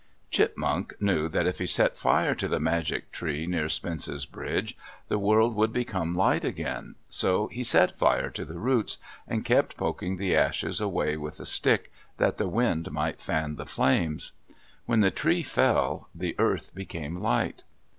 Chipmunk knew that if he set fire to the magic tree near Spence's Bridge, the world would become light again, so he set fire to the roots, and kept poking the ashes away with a stick that the wind might fan the flames. When the tree fell, the earth became light.